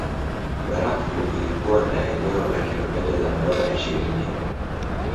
Barafu ilikuwa na eneo la kilomita za mraba ishirini hivi